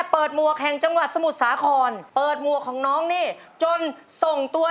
พร้อมกันหรือยังครับทั้งสองคนครับ